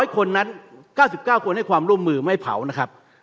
๐คนนั้น๙๙คนให้ความร่วมมือไม่เผานะครับ